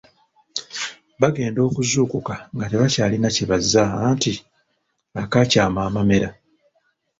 Bagenda okuzuukuka nga tebakyalina kye bazza anti, akaakyama amamera…!